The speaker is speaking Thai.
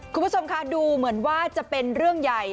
คุณผู้ชมค่ะดูเหมือนว่าจะเป็นเรื่องใหญ่